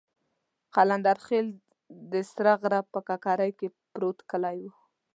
قلندرخېل د سره غره په ککرۍ کې پروت کلی وو.